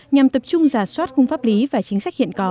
nhằm tập trung giả soát khung pháp lý và chính sách hiện có